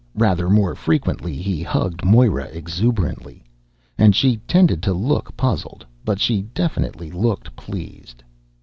Rather more frequently, he hugged Moira exuberantly. And she tended to look puzzled, but she definitely looked pleased.